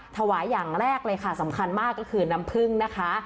อย่างแรกเลยค่ะสำคัญมากก็คือน้ำผึ้งนะคะ